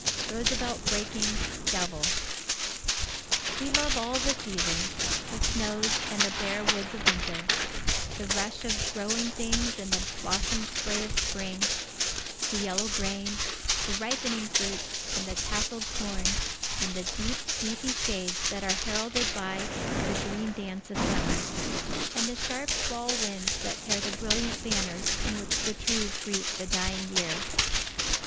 We love all the seasons; the snows and bare [Illustration: ROOSEVELT BREAKING "DEVIL"] woods of Winter; the rush of growing things and the blossom spray of Spring; the yellow grain, the ripening fruits, and tasseled corn, and the deep, leafy shades that are heralded by "the green dance of Summer"; and the sharp fall winds that tear the brilliant banners with which the trees greet the dying year.